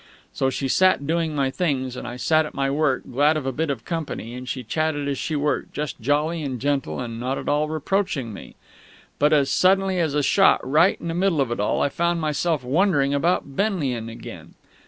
So she sat doing my things, and I sat at my work, glad of a bit of company; and she chatted as she worked, just jolly and gentle and not at all reproaching me. But as suddenly as a shot, right in the middle of it all, I found myself wondering about Benlian again.